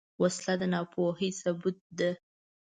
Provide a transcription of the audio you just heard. وسله د ناپوهۍ ثبوت ده